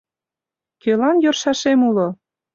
Кӧлан йӧршашем уло?